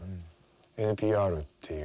「ＮＰＲ」っていう。